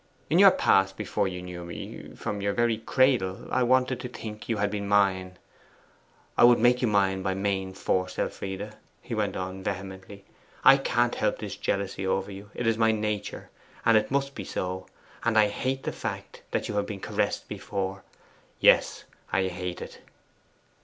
In your past before you knew me from your very cradle I wanted to think you had been mine. I would make you mine by main force. Elfride,' he went on vehemently, 'I can't help this jealousy over you! It is my nature, and must be so, and I HATE the fact that you have been caressed before: yes hate it!